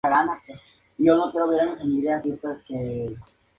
Está en la península de Skye.